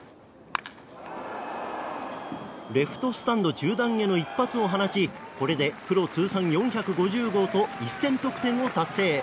レフトスタンド中段への一発を放ちこれでプロ通算４５０号と１０００得点を達成。